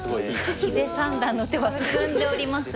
木部三段の手は進んでおります。